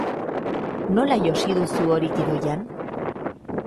Nola josi duzu hori gidoian?